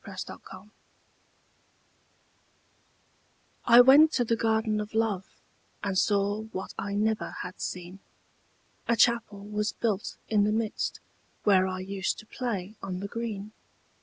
THE GARDEN OF LOVE I went to the Garden of Love, And saw what I never had seen; A Chapel was built in the midst, Where I used to play on the green.